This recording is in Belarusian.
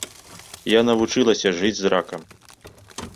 Я навучылася жыць з ракам.